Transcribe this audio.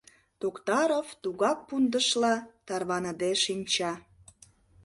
Токтаров тугак пундышла тарваныде шинча.